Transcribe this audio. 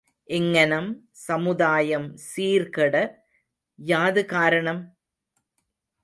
இங்ஙனம் சமுதாயம் சீர் கெட யாது காரணம்?